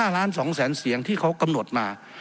๕ล้าน๒แสนเสียงที่เขากำหนดมา